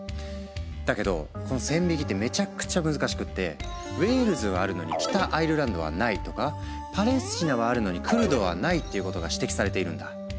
だけどこの線引きってめちゃくちゃ難しくってウェールズはあるのに北アイルランドはないとかパレスチナはあるのにクルドはないっていうことが指摘されているんだ。